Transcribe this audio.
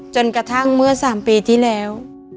จนกระทั่งเมื่อ๓ปีที่แล้ว